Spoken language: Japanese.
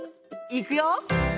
いくよ！